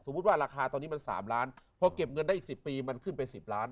ว่าราคาตอนนี้มัน๓ล้านพอเก็บเงินได้อีก๑๐ปีมันขึ้นไป๑๐ล้าน